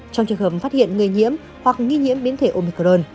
trong trường hợp phát hiện người nhiễm hoặc nghi nhiễm biến thể omicron